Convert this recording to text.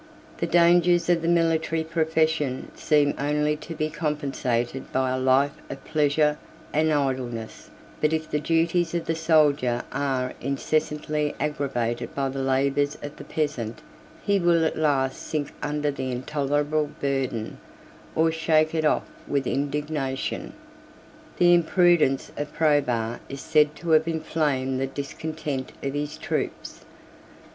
60 The dangers of the military profession seem only to be compensated by a life of pleasure and idleness; but if the duties of the soldier are incessantly aggravated by the labors of the peasant, he will at last sink under the intolerable burden, or shake it off with indignation. The imprudence of Probus is said to have inflamed the discontent of his troops.